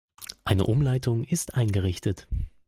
Eine Umleitung ist eingerichtet.